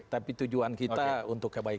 tapi tujuan kita untuk kebaikan